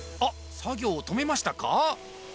作業を止めましたか